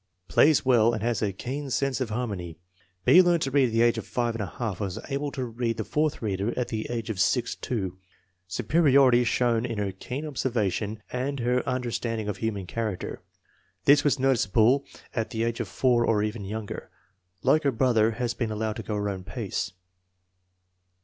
Plays well and has a keen sense of harmony. B. learned to read at the age of 5$, and was able to read the fourth reader at the age of 6 2. " Superiority shown in her keen observation and in her understand ing of human character. This was noticeable at the age of 4, or even younger." Like her brother, has been allowed to go her own pace.